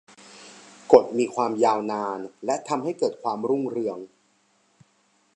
กฏมีความยาวนานและทำให้เกิดความรุ่งเรือง